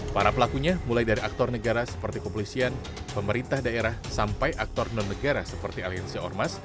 para pelakunya mulai dari aktor negara seperti kepolisian pemerintah daerah sampai aktor non negara seperti aliansi ormas